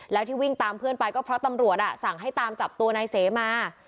แล้วที่วิ่งตามเพื่อนไปก็เพราะตำรวจสั่งให้ตามจับตัวนายเสมา